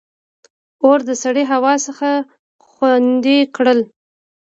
• اور د سړې هوا څخه خوندي کړل.